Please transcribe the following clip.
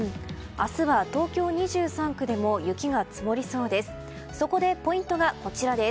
明日は東京２３区でも雪が積もりそうです。